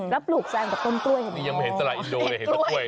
แล้วปลูกสละอินโดกับต้นกล้วยนี่ยังไม่เห็นสละอินโดแต่เห็นต้นกล้วย